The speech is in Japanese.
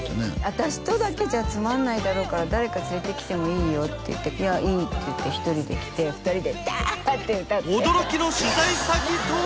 私とだけじゃつまんないだろうから誰か連れてきてもいいよって言って「いやいい」って言って１人で来て２人でダーッて歌って驚きの取材先とは？